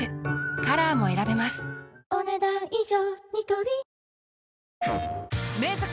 カラーも選べますお、ねだん以上。